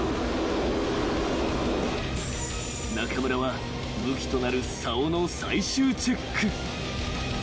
［中村は武器となるさおの最終チェック］